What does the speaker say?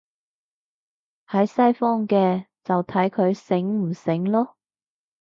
喺西方嘅，就睇佢醒唔醒囉